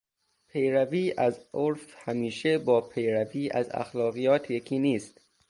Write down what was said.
پیروی از عرف همیشه با پیروی از اخلاقیات یکی نیست.